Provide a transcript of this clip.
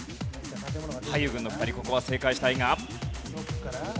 俳優軍の２人ここは正解したいが。